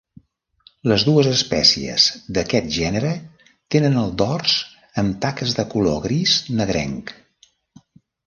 Les dues espècies d'aquest gènere tenen el dors amb taques de color gris negrenc.